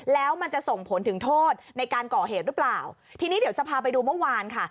แล้วมันจะส่งผลถึงโทษในการก่อเหตุหรือเปล่าทีนี้เดี๋ยวจะพาไปดูเมื่อวานค่ะ